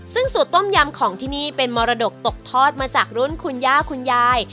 ซึ่งสูตรต้มยำของที่นี่เป็นมรดกตกทอดมาจากรุ่นคุณย่าคุณยาย